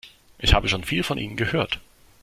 Ich habe schon viel von Ihnen gehört.